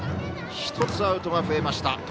１つアウトが増えました。